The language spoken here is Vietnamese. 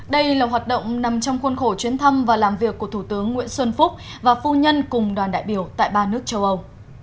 đây là hoạt động nằm trong khuôn khổ chuyến thăm và làm việc của thủ tướng nguyễn xuân phúc và phu nhân cùng đoàn đại biểu tại ba nước châu âu